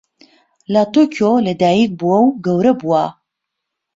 لە تۆکیۆ لەدایکبووە و گەورە بووە.